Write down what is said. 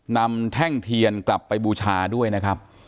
แท่งเทียนกลับไปบูชาด้วยนะครับ